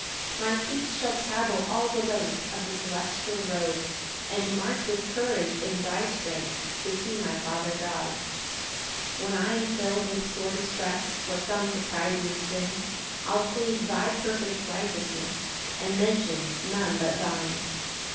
3 My feet shall travel all the length Of the celestial road, And march with courage in thy strength To see my Father God. 4 When I am fill'd with sore distress For some surprising sin, I'll plead thy perfect righteousness, And mention none but thine.